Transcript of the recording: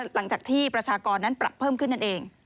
หลังจากที่ประชากรนั้นปรับเพิ่มขึ้นนั่นเอง